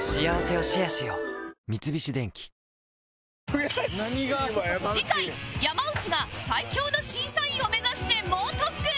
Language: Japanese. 三菱電機次回山内が最強の審査員を目指して猛特訓